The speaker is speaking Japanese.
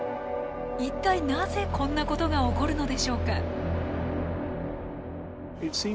一体なぜこんなことが起こるのでしょうか？